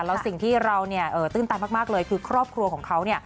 แล้วสิ่งที่เราตื้นตันมากเลยคือครอบครัวของเขา